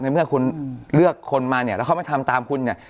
เมื่อคุณเลือกคนมาเนี่ยแล้วเขาไม่ทำตามคุณเนี่ย